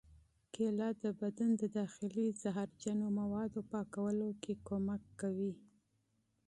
کېله د بدن د داخلي زهرجنو موادو پاکولو کې مرسته کوي.